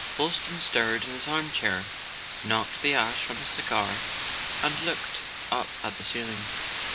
Boylston stirred in his armchair, knocked the ash from his cigar, and looked up at the ceiling.